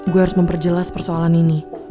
gue harus memperjelas persoalan ini